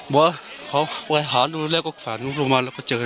บอกว่าขอหาหนูแล้วก็ฝาหนูลงมาแล้วก็เจอเลย